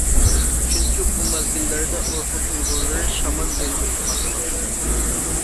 چۈنكى بۇ مەزگىللەردە ئورخۇن ئۇيغۇرلىرى شامان دىنىغا ئېتىقاد قىلاتتى.